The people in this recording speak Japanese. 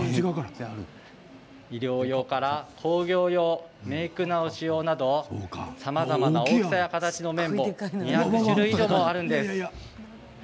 医療用から工業用メーク直し用など、さまざまな形の綿棒２００種類以上もあります。